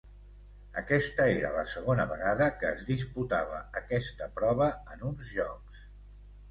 Aquesta era la segona vegada que es disputava aquesta prova en uns Jocs.